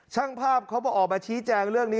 ช่างภาพเขาบอกออกมาชี้แจงเรื่องนี้